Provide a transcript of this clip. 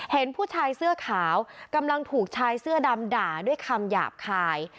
เห็นผู้ชายเสื้อขาวกำลังถูกชายเสื้อดำด่าด้วยคำหยาบคาย